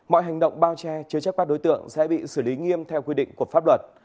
mọi hành động bao che chứa chấp các đối tượng sẽ bị xử lý nghiêm theo quy định của pháp luật